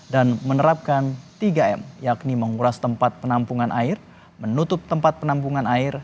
dan menerapkan tiga m yakni menguras tempat penampungan air menutup tempat penampungan air